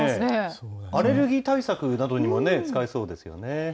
アレルギー対策などにも使えそうですよね。